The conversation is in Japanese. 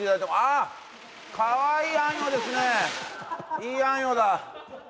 いいあんよだ。